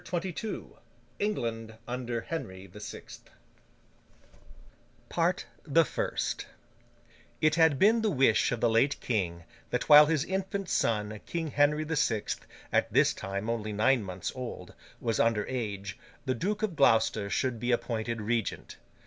CHAPTER XXII ENGLAND UNDER HENRY THE SIXTH PART THE FIRST It had been the wish of the late King, that while his infant son King Henry the Sixth, at this time only nine months old, was under age, the Duke of Gloucester should be appointed Regent.